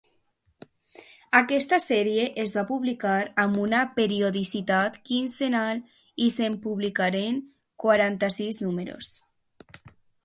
Aquesta sèrie es va publicar amb una periodicitat quinzenal i se'n publicaren quaranta-sis números.